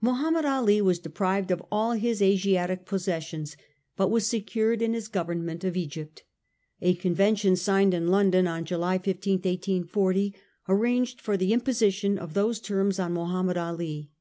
Mohammed Ali was deprived of all his Asiatic possessions ; but was secured in his govern ment of Egypt. A convention signed at London on July 15, 1840, arranged for the imposition of those terms on Mohammed Ali.